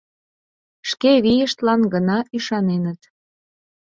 Шке вийыштлан гына ӱшаненыт.